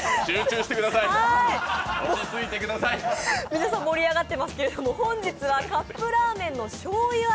皆さん盛りあがっていますけれども、本日はカップラーメンのしょうゆ味